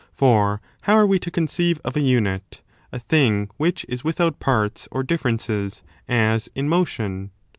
For how are we to conceive of a unit, a thing which is without parts or differences, as in motion?